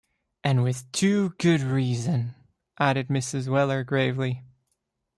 ‘And with too good reason,’ added Mrs. Weller gravely.